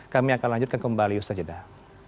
kami akan lanjutkan kembali ustaz jedah